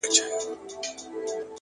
ژوند د انتخابونو لړۍ ده،